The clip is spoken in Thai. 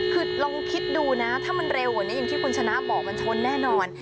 คือลองคิดดูนะถ้ามันเร็วกว่านี้อย่างที่คุณชนะบอกมันชนแน่นอน